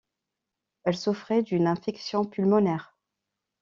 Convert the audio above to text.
Elle souffrait d'une infection pulmonaire.